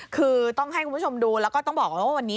คือต้องให้คุณผู้ชมดูแล้วก็ต้องบอกเลยว่าวันนี้